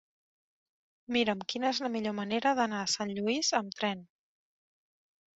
Mira'm quina és la millor manera d'anar a Sant Lluís amb tren.